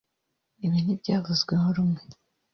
Ibi ntibyavuzweho rumwe